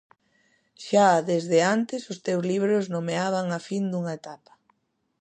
Xa desde antes, os teus libros nomeaban a fin dunha etapa.